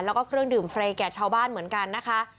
แล้วก็เครื่องดื่มเฟรย์แก่ชาวบ้านเหมือนกันนะคะ